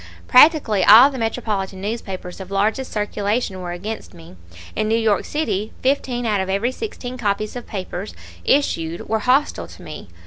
Practically all the metropolitan newspapers of largest circulation were against me; in New York City fifteen out of every sixteen copies of papers issued were hostile to me.